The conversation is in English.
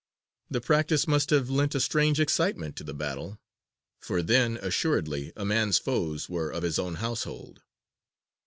The practice must have lent a strange excitement to the battle; for then, assuredly, a man's foes were of his own household.